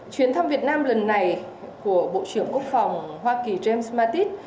chuyến thăm việt nam lần này của bộ trưởng quốc phòng hoa kỳ james mattis